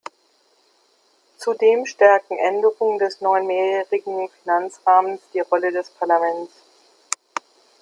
Zudem stärken Änderungen des neuen mehrjährigen Finanzrahmens die Rolle des Parlaments.